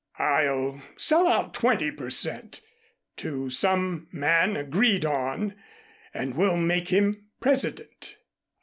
I'll sell out twenty per cent. to some man agreed on and we'll make him president."